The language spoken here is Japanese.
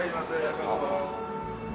どうぞ。